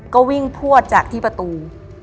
ก็วิ่งพวดจากที่ประตู